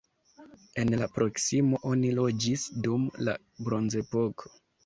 En la proksimo oni loĝis dum la bronzepoko.